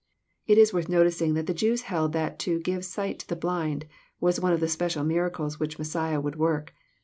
It is worth noticing that the Jews held that to give sight to the blind was one of the special miracles which Messiah would work.